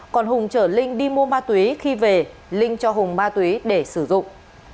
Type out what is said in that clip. còn hùng chở linh đi mua ma túy khi về linh cho hùng ma túy để sử dụng